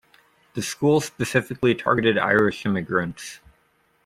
The school specifically targeted Irish immigrants.